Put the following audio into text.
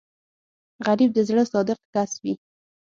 غریب د زړه صادق کس وي